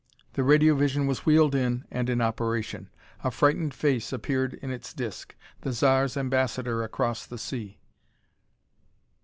The radiovision was wheeled in and in operation. A frightened face appeared in its disc: the Zar's ambassador across the sea.